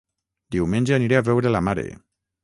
Diumenge aniré a veure la mare